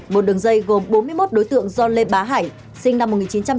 một đường dây gồm bốn mươi một đối tượng do lê bá hải sinh năm một nghìn chín trăm tám mươi